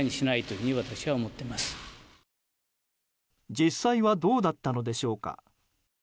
実際はどうだったのでしょうか。